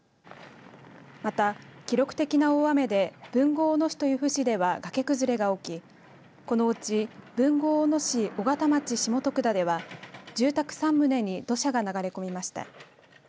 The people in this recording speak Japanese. また、記録的な大雨で豊後大野市と由布市では崖崩れが起きこのうち豊後大野市緒方町下徳田では住宅３棟に土砂が流れ込みました。